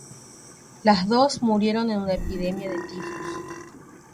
Las dos murieron en una epidemia de tifus.